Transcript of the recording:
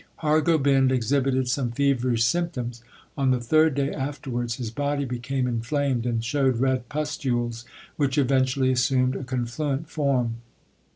1 Har Gobind exhibited some feverish symptoms. On the third day afterwards his body became inflamed and showed red pustules which eventually assumed a confluent form.